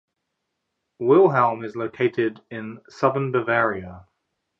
Weilheim is located in southern Bavaria.